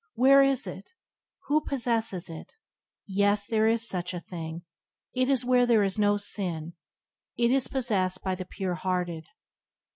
Where is it? Who possesses it? Yea; there is such a \ZJ thing. It is where there is no sin. It is possessed by the pure hearted.